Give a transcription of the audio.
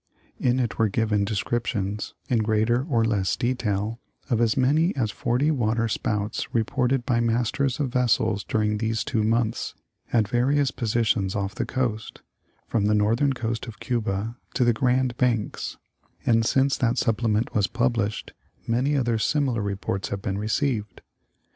In it were given descriptions, in greater or less detail, of as many as forty water spouts reported by masters of vessels during these two months, at various positions off the coast, from the northern coast of Cuba to the Grand banks ; and since that Supplement was published many other similar reports have been received.